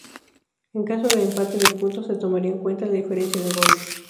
En caso de empate de puntos, se tomaría en cuenta la diferencia de goles.